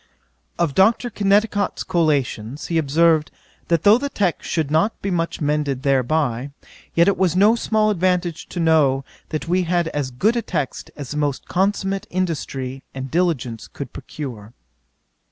'Of Dr. Kennicott's Collations, he observed, that though the text should not be much mended thereby, yet it was no small advantage to know, that we had as good a text as the most consummate industry and diligence could procure.